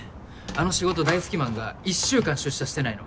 あの仕事大好きマンが１週間出社してないの。